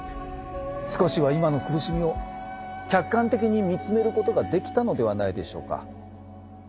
少しは今の苦しみを客観的に見つめることができたのではないでしょうか？